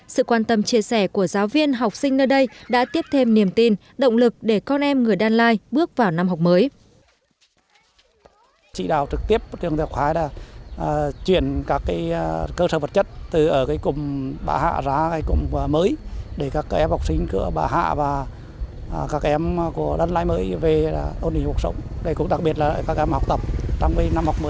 sự quan tâm chia sẻ của giáo viên học sinh nơi đây đã tiếp thêm niềm tin động lực để con em người đan lai bước vào năm học mới